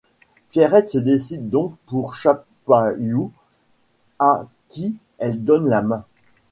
Pierrette se décide donc pour Chapailloux à qui elle donne la main.